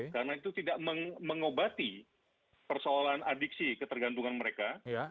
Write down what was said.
karena itu tidak mengobati persoalan adiksi ketergantungan mereka